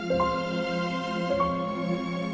kau mau ngapain